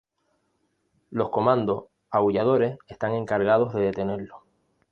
Los Comandos Aulladores están encargados de detenerlo.